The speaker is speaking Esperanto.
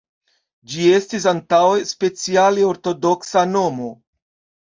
Ĝi estis antaŭe speciale ortodoksa nomo.